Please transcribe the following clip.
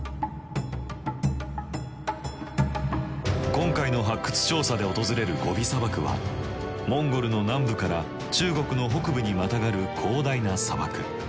今回の発掘調査で訪れるゴビ砂漠はモンゴルの南部から中国の北部にまたがる広大な砂漠。